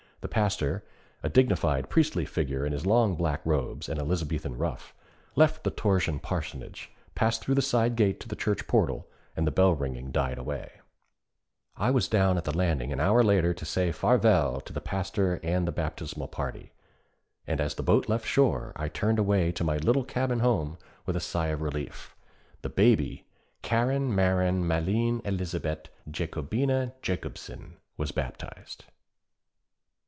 The Pastor, a dignified priestly figure in his long black robes and Elizabethan ruff, left the Thorshavn parsonage, passed through the side gate to the church portal, and the bell ringing died away. I was down at the landing an hour later to say 'farvel' to the Pastor and the baptismal party. And as the boat left shore I turned away to my little cabin home with a sigh of relief. The Baby Karin Marin Malene Elsebet Jakobina Jakobson was baptized.